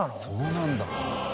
そうなんだ。